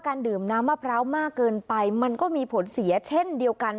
ดื่มน้ำมะพร้าวมากเกินไปมันก็มีผลเสียเช่นเดียวกัน